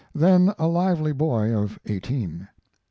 ] then a lively boy of eighteen.